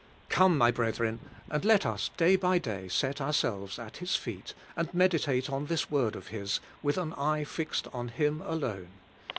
Come, my brethren, and let us day by day set our selves at His feet, and meditate on this word of His, with an eye fixed on Him alone.